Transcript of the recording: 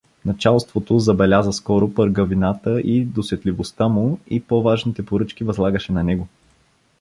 Началството забеляза скоро пъргавината и досетливостта му и по-важните поръчки възлагаше на него.